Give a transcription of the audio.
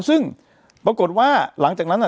ซึ่งปรากฏว่าหลังจากนั้น